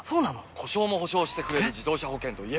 故障も補償してくれる自動車保険といえば？